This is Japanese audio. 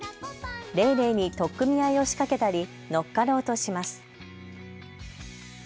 レイレイに取っ組み合いを仕掛けたり乗っかろうとします。